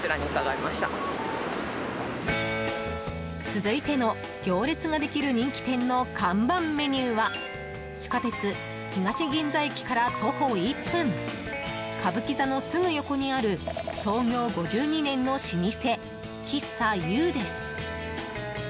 続いての、行列ができる人気店の看板メニューは地下鉄東銀座駅から徒歩１分歌舞伎座のすぐ横にある創業５２年の老舗喫茶ＹＯＵです。